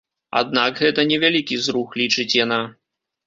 Аднак гэта невялікі зрух, лічыць яна.